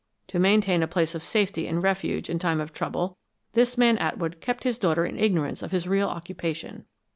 To maintain a place of safety and refuge in time of trouble, this man Atwood kept his daughter in ignorance of his real occupation.